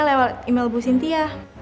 lewat email ibu sintia